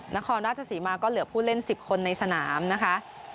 นครราชศรีมาก็เหลือผู้เล่น๑๐คนในสนามนะคะ